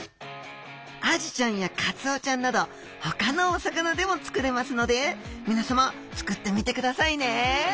アジちゃんやカツオちゃんなどほかのお魚でも作れますのでみなさま作ってみてくださいね